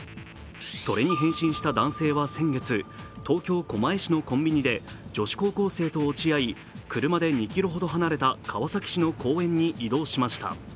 それに返信した男性は先月、東京・狛江市のコンビニで女子高校生と落ち合い車で２ｋｍほど離れた川崎市の公園に移動しました。